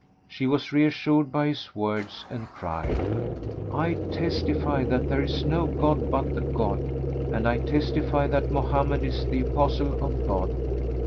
She was reassured by his words and cried, "I testify that there is no god but the God and I testify that Mohammed is the Apostle of God!"